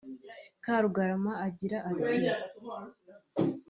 Karugarama agira ati